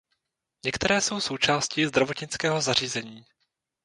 Některé jsou součástí zdravotnického zařízení.